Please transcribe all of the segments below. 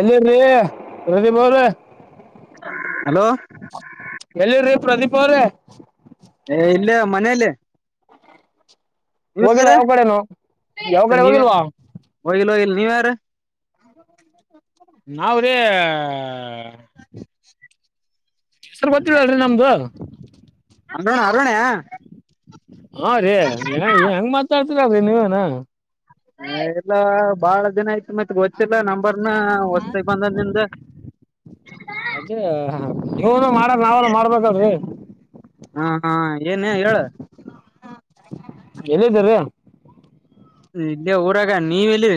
ಎಲ್ಲಿರಿ ಪ್ರದೀಪ್ ಅವ್ರೆ. ಹಲೋ ಎಲ್ಲಿದ್ರಿ ಪ್ರದೀಪ್ ಅವ್ರೆ. ಏ ಇಲ್ಲೇ ಮನೇಯಲ್ಲಿ. ನೀವ ಹೋಗಿಲ್ಲ ಯಾರ ಯಾವ ಕಡೆನು ಯಾವ ಕಡೆ ನೀವ ಯಾರ್ ಹೋಗಿಲ್ವಾ ಹೋಗಿಲ್ಲೋ ಹೋಗಿ ನೀವ್ ಯಾರ್? ನಾವ್ ರಿ ಅ ಹೆಸರ್ ಗೊತ್ತಿಲ್ಲಲ್ರಿ ನಮ್ದು? ಅನಾ ಅರುಣ್ಯ ಹಾ ರೀ ಏನ್ ಹೆಂಗ ಮಾತಾಡ್ತಿರಲ್ಲ್ರೀ ನೀವೇನ ಏ ಇಲ್ಲಾ ಭಾಳ ದಿನಾ ಆಯ್ತ್ ಮತ್ ಗೊತ್ತಿಲ್ಲ ನಂಬರ್ನ ಹೊಸ್ತಗ್ ಬಂದ ನಿಮ್ದ. ಅದೆ ನೀವನು ಮಾಡಲ್ಲ ನವ್ರಾ ಮಾಡ್ಬೇಕಲ್ಲ್ರಿ. ಹಾ ಹಾ ಏನ್ ಹೇಳ ಎಲ್ಲಿ ಇದ್ದೀರಿ. ಇಲ್ಲೇ ಊರಾಗ ನೀವ ಎಲ್ಲಿ?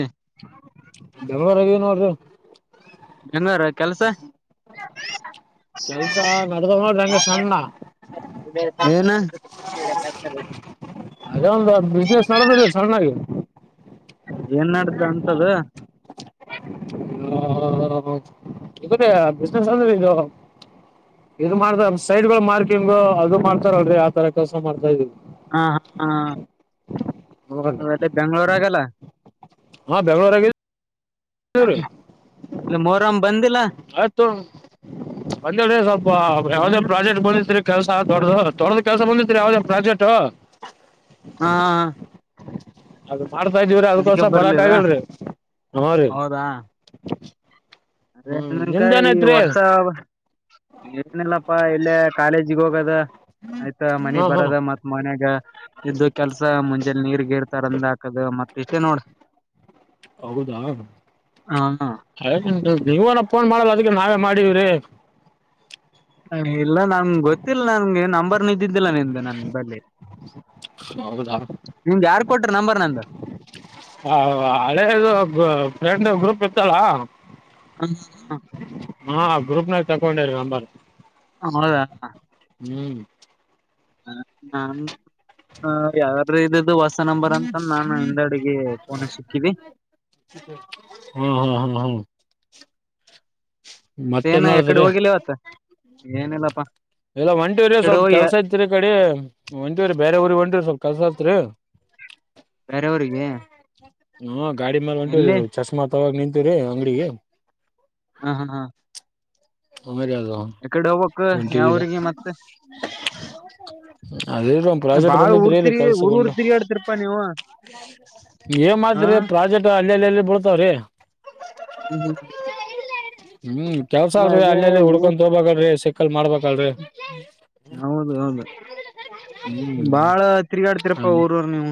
[unintelligible] [unintelligible] ಕೆಲಸ ಕೆಲ್ಸ ನಡದನೋ ಹೆಂಗ ಸಣ್ಣ ಏನ? [unintelligible] ಅದೇ ಒಂದು ಬಿಸ್ನೆಸ್ ನಡದದ್ರಿ ಸಣ್ಣಾಗಿ. ಏನ್ [unintelligible] ಹೌದೌದು [unintelligible] ಬಿಸ್ನೆಸ್ ಅಂದ್ರೆ ಇದು ಇದು ಮಾಡ್ತಾರ ಸೈಡ್ಗಳು ಮಾರ್ಕಿಂಗ್ಗು ಅದು ಮಾಡ್ತಾರಲ್ರಿ ಆ ತರ ಕೆಲ್ಸ ಮಾಡ್ತಾಯಿದೀವಿ. ಹಾಂ ಹಾಂ [unintelligible] ಅಲ್ಲಿ ಬೆಂಗ್ಗಳೂರಾಗಲ್ಲ್. ಹಾಂ ಬೆಂಗ್ಳೂರಾಗಿ ಇಲ್ಲ ಮೋರಂ ಬ ಆಯ್ತು. ಅಂದ್ರೇರಿ ಸ್ವಲ್ಪ ಯಾವದೇ ಹ್ಮ್ ಪ್ರಾಜೆಕ್ಟ್ ಬಂದಿತ್ರಿ. ಕೆಲ್ಸ ದೊಡ್ದು, ದೊಡ್ದು ಕೆಲ್ಸ ಬಂದಿತ್ರಿ ಯಾವ್ದೇ ಪ್ರಾಜೆಕ್ಟು ಹಾ ಹಾ ಹಾ ಅದು ಮಾಡ್ತಾ ಇದೀವ್ರೀ ಅದುಕೋಸ ಬರಕ್ ಬರ್ಲಿಲ್ಲ ಆಗಿಲ್ರಿ. ಹೂಂ ರೀ. ಹೌದಾ ಅದೇ ಹ್ಮ್ ನನ್ಕಾ ಈ ನಿಮ್ದೇನೈತ್ರಿ ವರ್ಷ ಏನಿಲ್ಲಪ್ಪಾ ಇಲ್ಲೇ ಕಾಲೇಜ್ಗ್ ಹೋಗದ ಆಯ್ತಾ ಮನಿ ಹಾ ಹಾ ಬರದ ಮತ್ ಮನೇಗ ಇದ್ದ ಕೆಲ್ಸ ಮುಂಜೆಲ್ ನೀರ್ಗೀರ್ ತಂದ್ ಹಾಕದು ಮತ್ ಇಷ್ಟೇ ನೋಡಿ. ಹೌದಾ [unintelligible] ನೀವನ ಫೋನ್ ಮಾಡಲ್ಲ ಅದಕ್ಕೆ ನಾವೇ ಮಾಡಿವ್ರಿ. ಹ ಇಲ್ಲ ನಂಗ್ ಗೊತ್ತಿಲ್ ನಂಗೆ ನಂಬರ್ ದಿದ್ದಿಲ್ಲ ನಿಮ್ದು ನನ್ ಬಳಿ ಹೌದಾ ನಿಮ್ದ್ ಯಾರ್ ಕೊಟ್ರ ನಂಬರ್ ನಂದು? ಹ ಹಳೆದು ಬ ಫ್ರೆಂಡ್ ಗ್ರೂಪ್ ಇತ್ ತಲ ಆ ಗ್ರೂಪ್ನಾಗ್ ತಕೊಂಡೇರಿ ನಂಬರ್. ಹಾಂ ಹಳೆದ? ಹ್ಮ್ ಆ ಹಾಂ ಯಾರಾದ್ರೂ ಇದ್ದಿದ್ದು ಹೊಸ್ ಹೊಸ ನಂಬರ್ ಅಂದ್ಕೊಂಡ್ ನಾನು ಹಿಂದಡಿಗೆ ಫೋನ ಸಿಕ್ಕಿದೆ. ಹ್ಮ್ ಹ್ಮ್ ಹ್ಮ್ ಏನ ಮತ್ತೇನ್ ಆಕಡೆ ಹೇಳಿದ್ರಿ ಹೋಗಿಲ್ಲವತ್ತ? ಏನಿಲ್ಲಪ್ಪಾ. ಇಲ್ಲ ಹೊಂಟಿವ್ರಿ ಎಕಡೆ ಸ್ವಲ್ಪ್ ಹೋಗಿ ಕೆಲ್ಸ ಇತ್ರಿ ಈಕಡಿ ಹೊಂಟಿವ್ರಿ ಬೇರೆ ಊರಿಗ್ ಹೊಂಟಿವ್ ಸ್ವಲ್ಪ್ ಕೆಲ್ಸ ಇತ್ರಿ. ಬೇರೆ ಊರಿಗೆ? ಹ್ಮ್ ಆ ಗಾಡಿ ಮೇಲ್ ಹೊಂಟಿವ್ರಿ ಚಶ್ಮಾ ತಗೊಳಾಕ್ ನಿಂತಿವ್ರೀ ಅಂಗ್ಡಿಗೆ. ಹಾಂ ಹಾಂ ಹಾಂ [unintelligible] ಹೊಂಟಿದೀರಾ ಯಾವ್ರಿಗೆ ಮತ್ತೆ ಅದೇ ಒಂದ್ ಪ್ರಾಜೆಕ್ಟ್ ಬಾಳ್ ಬಂದಿತ್ರಿ ಊರ್ ಇಲ್ಲಿ ತಿರ್ಗಿ ಊರ್ ಊರ್ ಕೆಲ್ಸಗೊಂಡು ತಿರ್ಗಾಡ್ತಿರ್ಪಾ ನೀವು ಏ ಮಾಡ್ತ್ರಿ ಹ ಪ್ರಾಜೆಕ್ಟ್ ಅಲ್ಲಲ್ಲಲ್ಲಿ ಬೀಳ್ತಾವ್ರಿ. [unintelligible] ಹ್ಮ್ ಕೆಲ್ಸ ಇಲ್ಲ ಅಲ್ರಿ ಅದೇ ಅಲ್ಲಲ್ಲಿ ಊ ಹುಡ್ಕೊಂತಾ ಹೋಬೇಕಲ್ರಿ ಸಿಕ್ಕಲ್ ಮಾಡ್ಬೇಕ್ ಹೌದು ಹೌದು. ಹ್ಮ್ ಬಾಳ ತಿರುಗಾಡ್ತೀರಪ್ಪಾ ಊರೂರ್ ನೀವು.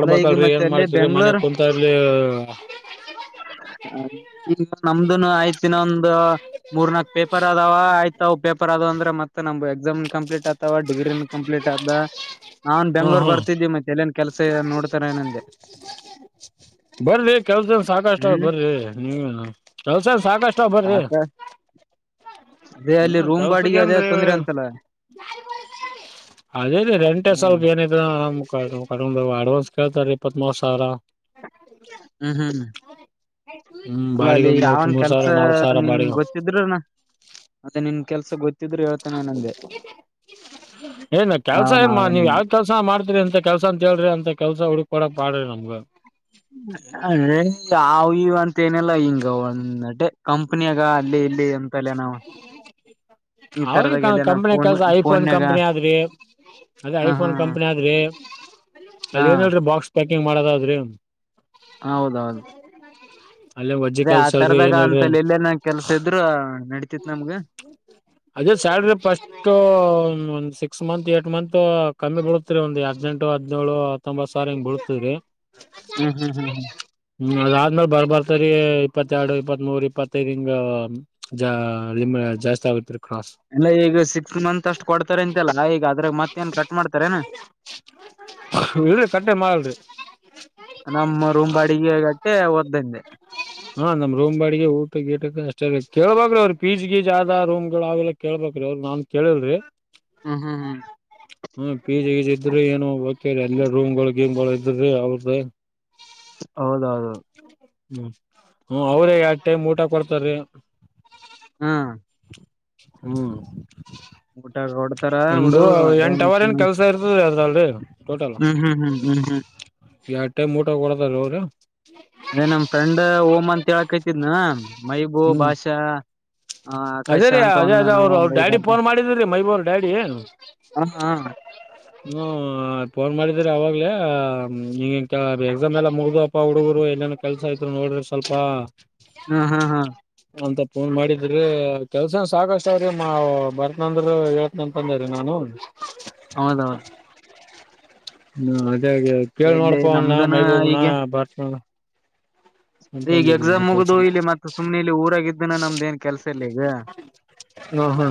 ಇಲ್ಲ ಈಗ ಮತ್ತೆ ಏನ್ ಅಲ್ಲೇ ಮಾಡ್ತಿರಿ ಮನೆ ಬೆಂಗ್ಳೂರ್ ಕುಂತಾಲಿ ಈಗ ನಮ್ದುನು ಆಯ್ತಿನೊಂದು ಮೂರ್ನಾಕ್ ಪೇಪರ್ ಅದಾವ ಆಯ್ ಅವು ಪೇಪರ್ ಅದ ಅಂದ್ರೆ ಮತ್ತೆ ನಮ್ದು ಎಕ್ಸಾಮ್ ಕಂಪ್ಲೀಟ್ ಆಗ್ತಾವ ಡಿಗ್ರಿ ಕಂಪ್ಲೀಟ್ ಆದ ನಾನ್ ಹಾ ಬೆಂಗ್ಳೂರ್ ಹಾ ಬರ್ತಿದ್ದಿ ಮತ್ತೆ ಎಲ್ಲೇನ್ ಕೆಲಸ ನೋಡ್ತಾರೆ ಏನಂದೆ [unintelligible] ಬರ್ರಿ ಕೆಲ್ಸನ್ ಸಾಕಷ್ಟ ಹ್ಮ್ ಬರ್ರಿ ನೀವೇನ್ ಕೆಲ್ಸನ್ ಸಾಕಷ್ಟ ಬರ್ರಿ ಸಾಕ ಅದೇ ಅಲ್ಲಿ ಹ್ಮ ರೂಮ್ ಬಾಡಿಗೆ ಕೆಲ್ಸಕ್ಕೆೇನ್ ಅದೇ ರಿ ತೊಂದ್ರೆ ಅಂತಲ್ಲ ಅದೇ ರ ರೆಂಟೇ ಹ್ಮ್ ಸ್ವಲ್ಪ ಏನ ನ ಮುಖರು ಪಕೊಂಡ ಅಡ್ವಾನ್ಸ್ ಕೇಳ್ತಾರಿ ಇಪ್ಪತ್ ಸಾವಿರ ಹ್ಮ ಹ್ಮ್ಮ ಹ್ಮ್ ಅಲ್ಲ ಬಾಡಿಗೆ ಅಲ್ಲಿ ಮೂರ್ ಯಾವನ್ ಮೂರ್ ಕೆಲ್ಸ ಸಾವಿರ ನಾಲ್ಕ್ ಸಾವಿರ ನಿನ್ ಬಾಡಿಗೆ ಗೊತ್ತಿದ್ರೂನಾ ಮತ್ತೆ ನಿನ್ ಕೆಲಸ ಗೊತ್ತ ಹಾ ಏನ್ ಕೆಲ್ಸ ಯಾವ ಏ ನೀವ್ ನಾವೇನಂದ ಯಾವ ಕೆಲ್ಸ ಮಾಡ್ತರಿ ಅಂತ ಕೆಲ್ಸ ಅಂತ ಹೇಳ್ರಿ ಅಂತ ಕೆಲ್ಸ ಹುಡುಕ ಕೂಡ ಪಾಡ ನಮ್ಗೆ ಅಂದ್ರೆ [unintelligible] ತ್ತೇನೆಲ್ಲಾ ಹಿಂಗ ಒಂದಟೆ ಕಂಪ್ನಿಯಾಗ ಅಲ್ಲಿ ಇಲ್ಲಿ ಎಂತಲ್ಲ ನಾವ ಅವದ ಕ ಕಂಪನಿ ಕೆಲ್ಸ ಐಫೋನ್ ಫೋನ್ಯಾಗ ಕಂಪನಿ ಆದ್ರಿ. ಅದೇ ಹ ಹಾ ಐಫೋನ್ ಕಂಪನಿ ಆದ್ರಿ, ಹಾ ಅದೇನಲ್ರಿ ಬಾಕ್ಸ್ ಪ್ಯಾಕಿಂಗ್ ಮಾಡೋದದ್ರಿ. ಹೌದೌದು. ಹ ಅದೇ ಆ ತರದಾಗ ಅಂತಲ್ಲಿ ಎಲ್ಲೇ ನ ಕೆಲ್ಸ ಇದ್ರು ನಡತಿತ್ ನಮ್ಗೇ ಅದೇ ಸ್ಯಾಲ್ರಿ ಫಸ್ಟ್ ಒ ಸಿಕ್ಸ್ ಮಂತ್ ಏಟ್ ಮಂತ್ ಕಮ್ಮಿ ಬಿಳತ್ತರಿ ಒಂದ ಎ ಹದಿನೇಂಟು ಹದ್ನೇಳು ಹತ್ತೊಂಬತ್ ಸಾವಿರ ಹಿಂಗ ಬೀಳ್ತಿದ್ರಿ ಹ್ಮ್ ಹ್ಮ್ ಹ್ಮ್ ಹ್ಮ್ ಹ್ಮ್ ಅದಾದ್ಮೇಲೆ ಬರ್ಬಾರತ ಇಪ್ಪತ್ತೆರಡು ಇಪ್ಪತ್ ಮೂರ್ ಇಪ್ಪತ್ತೈದು್ ಹಿಂಗ ಜಾಸ್ತಿ ಆಗತ್ರಿ ಕ್ರಾಸ್ ಎಲ್ಲ ಈಗ ಸಿಕ್ಸ್ ಮಂತ್ ಅಷ್ಟ್ ಕೊಡ್ತಾರೆ ಅಂತೆಲ್ಲ ಈಗ ಅದ್ರಾಗ ಮತ್ತೇ ಏನ್ ಕಟ್ ಮಾಡ್ತಾರೇನಾ ಇ ಕಟ್ಟೆ ಮಾಡರಿ ನಮ್ಮ ರೂಮ್ ಬಾಡಿಗೆಗಟ್ಟೆ ಓದ್ದಿಂದೆ ಹಾ ನಮ್ ರೂಮ್ ಬಾಡಿಗೆ ಊಟ ಗೀಟಕ್ ಅಷ್ಟ ಬೇಕು ಕೇಳಬೇಕ್ರಿ ಅವ್ರಿ ಪೀಜ್ ಗೀಜ್ ಆದ ರೂಮ್ಗಳು ಅವೆಲ್ಲ ಕೇೇಳಬಬೇಕಕ್್ರೀ ಅವ್ರರು ನಾನ್ ಕೇಳಿಲ್ರರಿ ಹ್ಮ್ ಹ್ಮ್ ಹ್ಮ್ ಹ್ಮ ಪೀಜಿ ಈಜ ಇದ್ರಿ ಏನು ಬ ಅಲ್ಲ ರೂಮ್ಗಳು ಗೇಮ್ ಗಳು ಇದ್ರಿ ಅವ್ರದ ಹೌದೌದೌದು ಹ್ಮ್ ಹ್ಮ ಅವ್ರೇ ಎರಡು ಟೈಮ್ ಊಟ ಕೊಡ್ತಾರಿ ಹ್ಮ್ ಹ್ಮ್ ಊಟ ಕೊಡ್ತಾರ ಒಂದು ಬಿಡು ಅದೇ ಎಂಟ ಹ್ಮ್ ಅವರ್ ಏನ್ ಕೆಲ್ಸ ಇರ್ತದ ಅದ್ರಲ್ರಿ ಟೋಟಲ್ ಹ್ಮ್ ಹ್ಮ್ ಹ್ಮ್ ಹ್ಮ್ ಎರ ಟೈಮ್ ಊಟ ಕೊಡತಾರ ಅವ್ರೇ ಅದೇ ನಮ್ ಫ್ರೆಂಡ್ ಓಂ ಅಂತ ಹೇಳಕೈತಿದ್ನ ಮೈಬೂ ಹ್ಮ್ ಭಾಷಾ ಆ ಅದೇ ಆಕಾಶ ರೀ ಅಂತ ಅದೇ ಒಂದ ಅದ ಅವ್ರು ಅವ್ರ ಒಂದ್ ಡ್ಯಾಡಿ ಫೋನ್ ಮಾಡಿದ್ರೀ ಮೈಬೂ್ರ ಡ್ಯಾಡಿ ಹಾ ಹಾ ಹ್ಮ ಫೋನ್ ಮಾಡಿದ್ರಿ ಅವಾಗ್ಲ ಹ ಎಕ್ಸಾಮ್ ಎಲ್ಲಾ ಮುಗ್ದಪ್ಪ ಹುಡುಗರು ಏಲ್ಲನ ಕೆಲ್ಸ ಆ್ರು ನೋಡ್ರ ಸ್ವಲ್ಪ ಹ್ಮ್ ಹ್ಮ್ ಹಾ್ ಅಂತ ಫೋನ್ ಮಾಡಿದ್ರೆ ಕೆಲ್ಸನ್ ಸಾಕಷ್ಟ ಅವ್ರಿ ಮಾ ಬರ್ತ್ನಂದ್ರ ಹೇಳ್ತ್ನಂತಂದ್ರೀ ನಾನು ಹೌದೌದು ಹ್ಮ ಅದೇ ಕೇಳ್ ಇಲ್ಲಿ ನೋಡ್ಪ ಅವ ನಮ್ದನ ಮೈಬಾಬನಾ ಈಗ ಭತನ ಈಗ ಎಕ್ಸಾಮ್ ಮುಗ್ದ ಇಲ್ಲಿ ಮತ್ತ ಸುಮ್ನೆ ಇಲ್ಲಿ ಊರಾಗಿದ್ದನ ನಮ್ದ ಏನ್ ಕೆಲ್ಸ ಇಲ್ಲ ಈಗ ಹ ಹ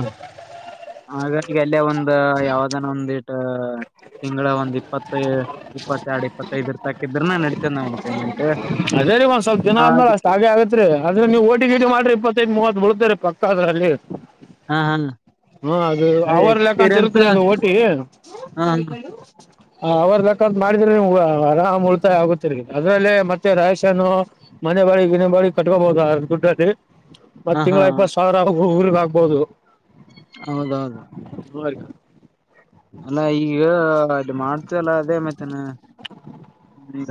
ಹಾಗ ಈಗ ಅಲ್ಲೇ ಒಂದ ಯಾವ್ದಾನ ಒಂದಿಟ್ಟು ತಿಂಗಗಳ ಒಂದ್ ಇಪ್ಪತ್ತು ಇಪ್ಪತ್ತೆರಡು ಇಪ್ಪತ್ತೈದರ ತಕಿದ್ರನ ನಡತೇ ನ ಪೇಂಮ್ಯಂಟ್ ರೇರಿ ಒಂದ ಸ್ವಲ್ಪ ದಿನ ಆದ್ಮೇಲೆ ಅಷ್ಟ ಹಾಗ ಆಗತ್ರಿ ಆದ್ರೆ ನೀವು ಹೋಟಿ ಗೀಟಿ ಮಾಡ್ರ ಇಪ್ಪತ್ತೈಐದು ಮೂವತ್ ಬಳತೇ ರ ಪಕ್ಕ ಅದ್ರಲ್ಲಿ ಹ ಹಾ ಹಾ ಅದು ಅದೇ ಅವರ್ ಲೆಕ್ಕ ಅಂತ ಎಕ್ಸ್ಪೀರಿಯನ್ಸ್ ಇರ್ತ್ರಿ ಅದು ಓಟಿ ಹ ಹಾ ಬಳಿಗಳು ಅವ್ರ ಕ್ಕಂತ ಮಾಡಿದ್ರೆ ನೀವು ಆರಾಮ್ ಉಳಿತಾಯ ಆಗುತ್ತಿರಿ ಅದ್ರಲ್ಲೇ ಮತ್ತೆ ರೇಶನ್ ಮನೆ ಬಾಡಿಗೆ ಮಿನಿ ಬಾಡಿಗೆ ಕಟ್ಕೋಬಹುದು ಅ ದುಡ್ಡುಲಿ ಮತ್ ಹಾ ಹಾ ತಿಂಗಗಳ ಇಪ್ಪತ್ ಸಾವಿರ ಊರ್ಗ್ ಆಾಕ್ಬೋದು ಹೌದೌದು ಹ ಅಲ್ಲ ಈಗ ಅದು ಮಾಡ್ತಲ್ಲ ಅದೇ ಮತ್ತಾನ ಹ್ಮ್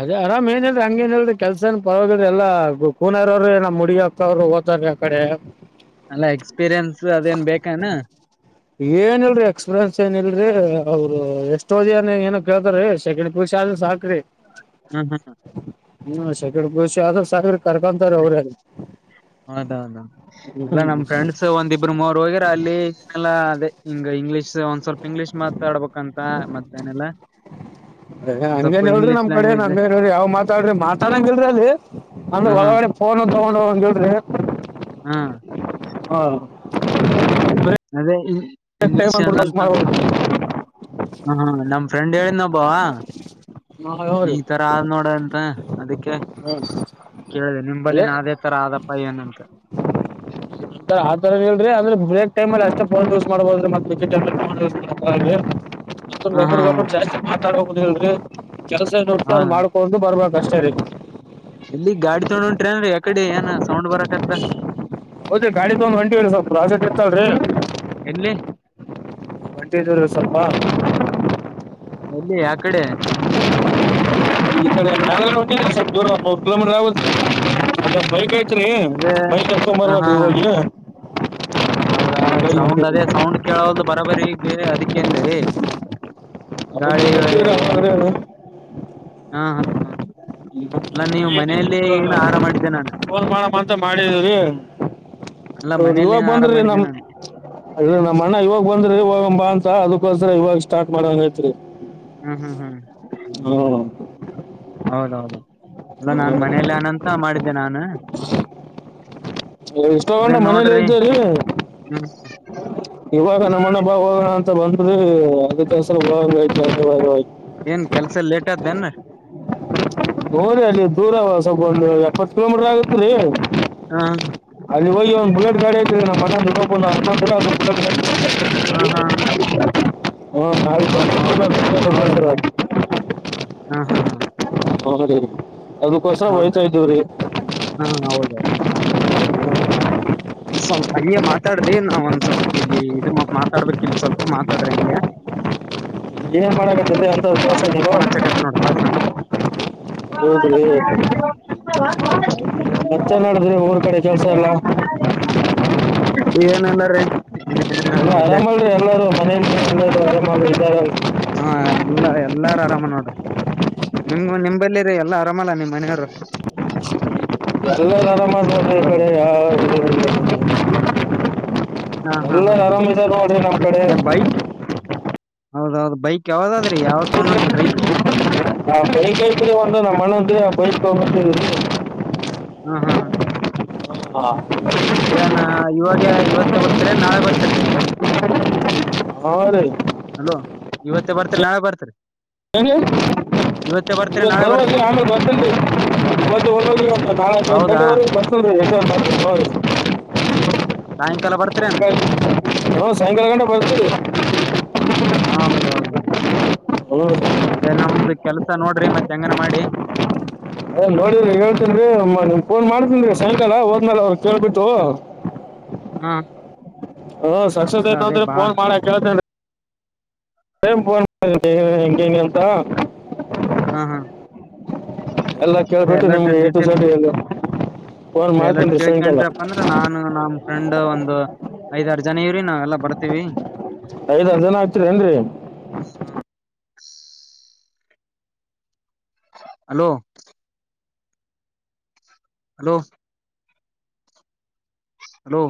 ಅದ ಅರಾಮ್ ಏನ್ ಹೇಳ್ರಿ ಹಂಗೇನ್ ಹೇಳಿ ಕೆಲ್ಸನ್ ಪರವಾಗಿ ಎಲ್ಲಾ ಗ ಕುನಾರ್ ಅವ್ರಿ ಏನ್ ಹುಡುಗಿ ಹಾಕ್ತವರು ಓತಾರೇ ಕಡೆ ಅಲ್ಲ ಎಕ್ಸ್ಪೀರಿಯನ್ಸ್ ಅದೇನ್ ಬೇಕನಾ ಏನ್ ಇಲ್ರರಿ ಎಕ್ಸ್ಪೀರಿಯನ್ಸ್ ಏನ್ ಇಲ್ರಿ ಅವ್ರು ಎಷ್ಟೋದ ಏ ಏನ ಕೇಳ್ತಾರ ಸೆಕೆಂಡ್ ಪಿಯುಸಿ ಸಾಾಗ್ರೆ ಹ್ಮ್ ಹ್ಮ್ ಹ್ಮ ಹ್ಮ ಶೇಕೇಂಡ್ ಪಿಯುಸಿ ಆದ್ ಸಾಕರಿ ಕರ್ಕೊಂತಾರ ಅವ್ರೇ ಹೌದೌದ ಅಲ್ಲ ನಮ್ ಫ್ರೆಂಡ್ಸ್ ಒಂದಿಬ್ರು ಮೂರ್ ಹೋಗಿರ ಅಲ್ಲಿ ಇಲ್ಲಾ ಏಲಾ ಅದೇ ಹಿಂಗ ಇಂಗ್ಲೀಷ್ ಒಂದ್ ಸ್ವಲ್ಪ ಇಂಗ್ಲೀಷ್ ಮಾತಾಡ್ಬೇಕಂತ ಮತ್ತೇಏನೆಲ್ಲಾ ಅ ಹಂಗೇನ್ ಹೇಳ್ರಿ ನಮ್ ಕಡೆಏನ್ ಹಂಗನ್ ಹೇಳ್ರಿ ಯಾವ್ ಮಾತಾಡ್ರಿ ಮಾತಾಡಂಗ ಇಲ್ರಿ ಅಲ್ಲಿ ಹ ಹ ಒಳಗಡೆ ಫೋನ್ ತಗೊಂಡು ಹೋಗ ಗಿಂಲರಿ ಹಾ ಹಾ ಅದೇ ಹಿಂಸೇ ಅದೇ ಅಂತ ಮಾಡ್ಬೇಕು ನಮ ಫ್ರೆಂಡ್ ಹೇಳ ನ ಒಬ್ಬ ಹಾ, ಹ್ಞೂ ರೀ ಈ ತರ ಆದ ನೋಡಂತ ಅದಕ್ಕೆ ಹ್ಮ್. ಕೇಳಿದೆ ನಿಂಬಲ್ಲಿ ಅದೇ ನೇ ತರ ಆದಪ್ಪ ಏನಂತ ಆತರ ಹೇಳ್ರಿ ಅಂದ್ರೆ ಬ್ರೇಕ್ ಟೈಮ್ ಲೀ ಅಷ್ಟೇಫೋನ್ ಯೂಸ್ ಮಾಡ್ಬೋದ್ರೀ ಮತ್ತೆ ಯುಸ್ ಮಾಡೋಕೆ ಆಗಲ ರಿ ಅಷ್ಟೊ ಹ ಒೊಬ ಹಾ ಒಬ್ಬರು ಜಾಸ್ತಿ ಮಾತಾಡ ಹುದುದು ಹೇಳಿ ಕೆಲ್ಸ ನೋಡ್ ಅ್ ಮಾಡ್ಕೊಡ್ದು ಬರಬೇಕು ದಷ್ಟಟಾರೀಕ್ು ಇಲ್ಲಿ ಗಾಡಿ ತಗೊಂಡ್ ಓಂಟ್ರಿ ಅನ್್ರ ಯಕಡೆ ಏನ ಸೌಂಡ್ ಬರಕತ್ದ ಹೌದೇ ಗಾಡಿಿ ತಗೊಂಡ ಹೊಂಟಿ ಸ್ವಲ್ಪ ಪ್ರಾಜೆಕ್ಟ್ ಇರ್ತಲ್ರಿೀ ಎಲ್ಲಿ ಒಂಟಿಯದರುಸವಲಪ ಎಲ್ಲಿ ಯ ಕಡೆ ಈ ಕಡೆ ಮೇಗಲಕೋಟೇ ಸವಲಪ ಕಿಲೋ ಮೀಟರ್ ಆಗುತ್ತೇ ತ್ರಿ ಅದೇ ಬೈಕ್ ಹ ಏತಕೋಬರಬೇಕು ಹಾ ರಿ ಹೋಗಿ ಹೌದಾ ಗಾಡಿ ಸೌಂಡ್ ಹೊಂಟಿದ್ವಿ. ಅದೇ ಸೌಂಡ್ ಕೇಳಲ್ ಬರಿ ಈಗ ಅದಕ್ಕೆಂದರಿೀ ಅವತ್ತು ಗಾಳಿ ಬರ್ತಿದ್ರ ವಗ ಅವಾಗ್ಲೇ ಹಾ ಹಾ ಹಾ ಅಲ್ಲಾ ನೀವು ಮನೆಯಲ್ಲಿ ಏನು ಆಹಾರ ಮಾಡಿದ್ದೆ ನಾನು ಫೋನ್ ಮಾಡ ಅಂತ ಮಾಡಿದವ್ರಿ ಅಲ್ಲಾ ೌ ಮನೆಯಲ್ಲಿ ಇವಾಗ ಏನ್ ಆಹಾರ ಬಂದ್ರಿ ಮಾಡಿದ್ದೆ ನಮ್ ನಾನು ಇ ನಮ್ಮ್ ಅಣ್ಣ ಇವಾಗ ಬಂದ್ರಿ ಇವಾಗ ಹೋಗೋಣ ಬಾ ಅಂತ ಅದಕೋ ಇವಾಗ ಸ್ಟಾರ್ಟ್ ಮಾಡಂಗ ಹೇೈತ್ರಿ ಹ್ಮ್ ಹ್ಮ್ ಹ್ಮ್ ಹೌದೌದು ಅದ ನಾನನ್ ಮನೇಲಿ ನಂತ ಮಾಡಿದ್ದೆ ನಾನು ಯು ಅ ಇಷ್ಟ ಅದೇ ಹೋಗೊಂಡ ಮನೇಲಿ ನೋಡ್ರಿ ಇದ್ದ ರಿ ಹ್ಮ್ ಇವಾಗ ನಮ್ಮಣ್ಣ ಬಾ ಹೋಗಣ ಅಂತ ಬಂದ್ರೆ ಅದಕ್ಕೆಸ ಹೋಂಗ ಆಯ್ತು ತಿರಿಗಿ ಹೋಗ ಏನ್ ಕೆಲ್ಸ ಲೇಟ್ ಆದ್ದೇನ್ ಗೋರಿ ಅಲ್ಲಿ ದೂರವ ಸಗೊಂಡು ಎಪ್ಪತ್ ಕಿಲೋಮೀಟರ್ ಆಗತ್ ರೀ ಹಾ ನೀವ್ ಹೋಗಿ ಒಂದು ಬುಲೇಟ್ ಗಾಡಿ ಐತಿ ನಮ್ಮ ಅಣ್ಣದು ಹ್ಮ ಹ್ಮ ಹ್ಮ ಹೌದ ರೀ ಹಾ ನಾ ಹಾ ಹಾ ಹರಿ ಅದಕ್ಕೋಸ್ರ ಹಾ ಹೊಯತಾ ಇದ್ದೇವ್ರೀ ಹಾ ಹೌದು ಸ್ವಲ್ಪ ಹಂಗೆ ಮಾತಾಡ್ರಿ ನಾವ್ ಒಂದ್ ಸ್ವಲ್ಪ ಇಲ್ಲಿ ಇದು ಮಾತಾಡ್ಬೇಕಿಲ್ ಸ್ವಲ್ಪ ಮಾತಾಡ್ರಿ ಹಂಗೆ. ಏನು ಹ ಮಾಡಕತ್ತೈತೆ ಅಂತ ಕೆಲಸ ಅಪ್ಪ ನೀವು ಫೋನ್ ಅಚಕ್ಕತನೋಡ ಪಸ್ನಾಗ. ಹೌದ್ರಿ [unintelligible] ಮತ್ತೆ [unintelligible] ನೋಡಿದ್ರಿ ಊರ್ ಕಡೆ ಕೆಲಸ ಎಲ್ಲ ಏನಿಲ್ಲರಿ ಏನಿಲ್ಲ ಎಲ್ಲ ನೋಡ್ ಇಲ್ಲೇ ಅರಾಮಲ್ರಿ ಎಲ್ಲರೂ ಮನೇಲಿ ಎಲ್ರು ಅರಾಮ್ ಇದ್ದಾರ. ಹಾ ಎಲ್ಲ ಎಲ್ಲಾರು ಆರಾಮ ನೋಡ್ರಿ. ನಿಮ್ಗ ನಿಮ್ಬಲೀರಿ ಎಲ್ಲ ಆರಾಮಲ್ಲ ನಿಮ್ಮ್ ಮನೆಯವ್ರು. ಎಲ್ಲ ಆರಾಮ ದ ಕಡೆ ಯಾವ ಎಲ್ಲ ಆರಾನಿದೆ ನೋಡ್ರೆ ನಮ್ಮ. ಕಡೆ ಎಂ ಬೈಕ್. ಹೌದೌದು ಬೈಕ್ ಯಾವ್ದಾದ್ರಿ ಯಾವ್ದ ತೊಗೊಂಡ್ ಹೊಂಟ್ರಿ ಬೈಕ್. ನಾ ಕೈ ಕೈತ್ರಿ ಒಂದ ನಮ್ಣ್ಣಂದ ಬೈಸ್ಕೊಂಡಂತಿ. ಹಾ ಹಾ ಹ ಹ್ಮ್ ಹಾ ಏನ್ ಇವಾಗ ಇವತ್ತೇ ಬರ್ತರಿ ನಾಳೆ ಬರ್ತರಿ. ಆರಿ ಇವತ್ತೆ ಬರ್ತಿರಿ ನಾಳೆ ಬರ್ತ್ರಿ. ಏನಿ ಇವತ್ತು ನಾಳೆ ಬರುವ ಬರ್ತೀರಿ ಆಮೆಲ್ ಬರ್ತ ಇವತ್ತು ಒಂದ ನಾಲ್ಕುದು ಹೌದಾ ಗಂಟೆವರ್ಗೆ ಬರ್ತ ಎಷ್ಟೊ [unintelligible] ಸಾಯಂಕಾಲ ಬರ್ತಿರೇನು ಹು ಸಾಯಂಕಾಲ ಗಂಟ ಬರ್ತಿರಿ. ಹೌದೌದು ಅದೇ ನಮ್ದು ಕೆಲ್ಸ ನೋಡ್ರಿ ಮತ್ತೆ ಹೆಂಗನ ಮಾಡಿ. ಏ ನೋಡಿದ್ರಿ ಹೇಳ್ತನ್ರಿ ನಿಮ್ ಫೋನ್ ಮಾಡ್ತನ್ರಿ ಸಾಯಂಕಾಲ ಹೋದ್ಮೇಲ್ ಅವ್ರ ಕೇಳ್ಬಿಟ್ಟು. ಉ ಹಾ ಹಾ ಸಕ್ಸಸ್ ಇಲ್ಲ ಆಯ್ತ ಅದೇ ಅಂದ್ರ ಬಾ ಫೋನ್ ಮಾಡಾ ಕೇಳ್ತ ಸೇಮ್ ಫೋನ್ ಮಾಡಿಟಿ ಹಿಂಗ್ ಹಿಂಗೆ ಅಂತ. ಹ ಹಾ ಎಲ್ಲ ಕೇಳ್ಬಿಟ್ಟು ನಿಮ್ಗೆ ಎ ಟು ಜಡ್ ಎಲ್ಲ. ಅ ಎಲ್ಲ ಕೇಳ್ಕಟ್ರಪ್ಪ ಅಂದ್ರ ನಾನು ನಮ್ ಫ್ರೆಂಡ್ ಒಂದು. ಐದಾರ್ ಜನ ಇವ್ರಿ ನಾವ್ ಎಲ್ಲಾ ಬರ್ತೀವಿ. ಐದಾರ್ ಜನ ಆಗ್ತಿರ್ ಏನ್ರಿ. [unintelligible] Hello hello hello